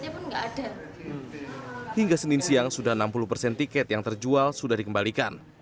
hingga senin siang sudah enam puluh persen tiket yang terjual sudah dikembalikan